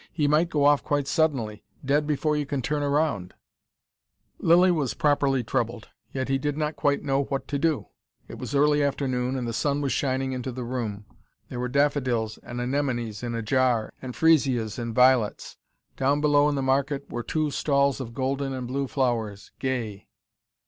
"He might go off quite suddenly dead before you can turn round " Lilly was properly troubled. Yet he did not quite know what to do. It was early afternoon, and the sun was shining into the room. There were daffodils and anemones in a jar, and freezias and violets. Down below in the market were two stalls of golden and blue flowers, gay.